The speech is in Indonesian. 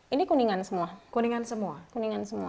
ini kuningan semua